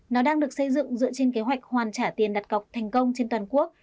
nó đang được xây dựng dựa trên kế hoạch hoàn trả tiền đặt cọc thành công trên toàn quốc